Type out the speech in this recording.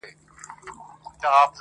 په بل اور ده څه پروا د سمندرو!